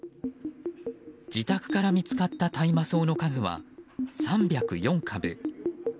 自宅から見つかった大麻草の数は３０４株。